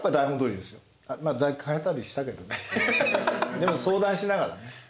でも相談しながらね。